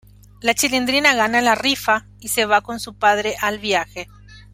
La Chilindrina gana la rifa y se va con su padre al viaje.